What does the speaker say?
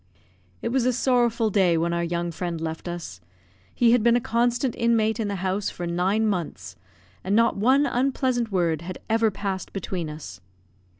It was a sorrowful day when our young friend left us; he had been a constant inmate in the house for nine months, and not one unpleasant word had ever passed between us.